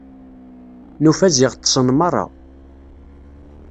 Nufa ziɣ ṭṭsen merra.